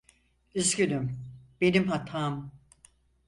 Üzgünüm, benim hatam.